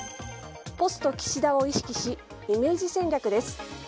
ポスト岸田を意識しイメージ戦略です。